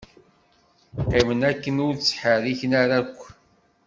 Qqimem akken ur ttḥerrikem ara akk.